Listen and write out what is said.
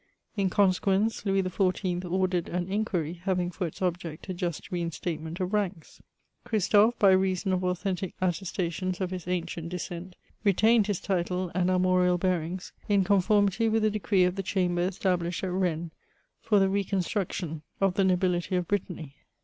In consequence, Louis XIY. ordered an inquiry, having for its object a just reinstatement of ranks. Christophe, by reason of authentic attestations of his ancient descent, retained his title and armorial bearings, in conformity with a decree of the Chamber established at Bennes, for the re*construction of the nobility of Brittany.